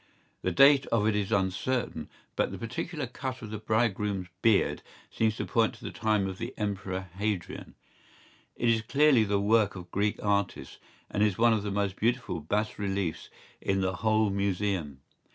¬Ý The date of it is uncertain, but the particular cut of the bridegroom’s beard seems to point to the time of the Emperor Hadrian.¬Ý It is clearly the work of Greek artists and is one of the most beautiful bas reliefs in the whole Museum.